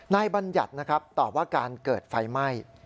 บัญญัตินะครับตอบว่าการเกิดไฟไหม้